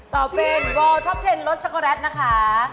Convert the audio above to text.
ตอบเป็นวอร์ตอป๑๐รสชักโกแรตนะคะ